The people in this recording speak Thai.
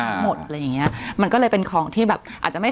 หมดอะไรอย่างเงี้ยมันก็เลยเป็นของที่แบบอาจจะไม่